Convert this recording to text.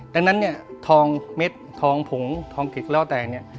ดังนั้นทองเม็ดทองผงทองเกร็กแล้วแต่